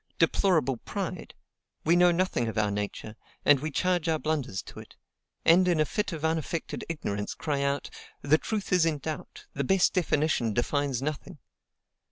Deplorable pride! We know nothing of our nature, and we charge our blunders to it; and, in a fit of unaffected ignorance, cry out, "The truth is in doubt, the best definition defines nothing!"